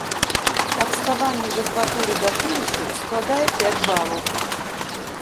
Адставанне за два туры да фінішу складае пяць балаў.